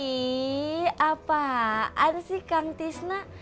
ini apaan sih kang tisna